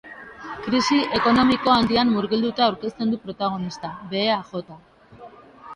Krisi ekonomiko handian murgilduta aurkezten du protagonista, behea jota.